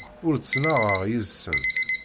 Ur ttnaɣeɣ yid-sent.